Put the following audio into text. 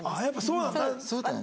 そうだよね。